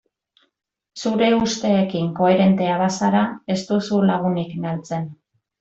Zure usteekin koherentea bazara ez duzu lagunik galtzen.